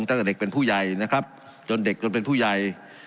ตั้งแต่เด็กเป็นผู้ใหญ่นะครับจนเด็กจนเป็นผู้ใหญ่